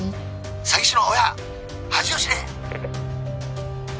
☎詐欺師の親恥を知れ！